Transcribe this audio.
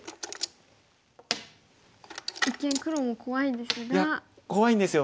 一見黒も怖いですが。